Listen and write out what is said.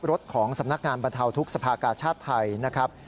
รถของสำนักงานบรรเทาทุกสภากาชาติไทยนะครับ